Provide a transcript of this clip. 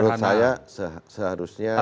ya menurut saya seharusnya tidak